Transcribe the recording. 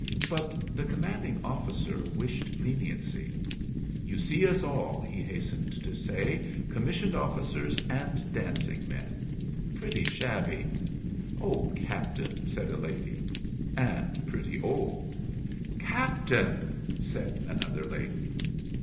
But the commanding officer wished leniency. "You see us all," he hastened to say. "Commissioned officers and dancing men. Pretty shabby " "Oh, Captain!" said a lady. "And pretty old." "Captain!" said another lady.